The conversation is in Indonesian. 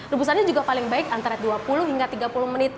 rebusannya juga paling baik antara dua puluh hingga tiga puluh menit